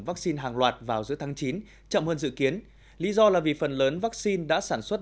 vaccine hàng loạt vào giữa tháng chín chậm hơn dự kiến lý do là vì phần lớn vaccine đã sản xuất